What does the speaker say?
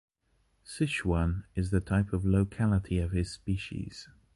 Sichuan is the type locality of his species.